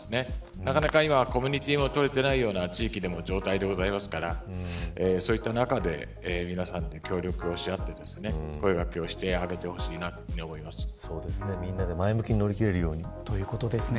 なかなか今はコミュニティも取れていないような地域の状態でございますからそういった中で皆さんで協力をし合って声掛けをしてあげてほしいなみんなでということですね。